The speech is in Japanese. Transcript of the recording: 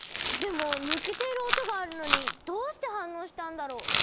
でも抜けている音があるのにどうして反応したんだろう？